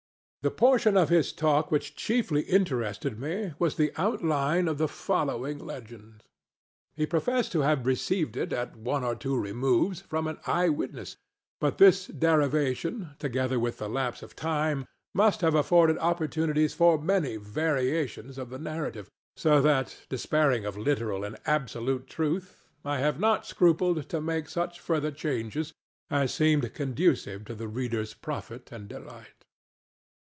The portion of his talk which chiefly interested me was the outline of the following legend. He professed to have received it at one or two removes from an eye witness, but this derivation, together with the lapse of time, must have afforded opportunities for many variations of the narrative; so that, despairing of literal and absolute truth, I have not scrupled to make such further changes as seemed conducive to the reader's profit and delight.